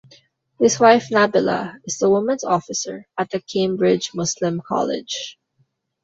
His wife Nabila is the Women's Officer at the Cambridge Muslim College.